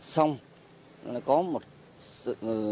xong nó lại có một sự